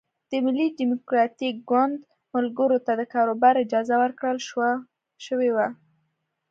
د ملي ډیموکراتیک ګوند ملګرو ته د کاروبار اجازه ورکړل شوې وه.